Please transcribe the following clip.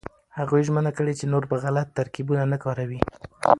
هغوی ژمنه کړې چې نور به غلط ترکيبونه نه کاروي.